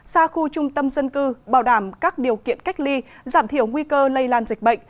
xa khu trung tâm dân cư bảo đảm các điều kiện cách ly giảm thiểu nguy cơ lây lan dịch bệnh